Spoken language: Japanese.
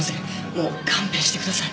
もう勘弁してください。